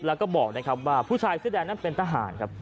แล้วก็บอกนะครับว่าผู้ชายเสื้อแดงนั้นเป็นทหารครับ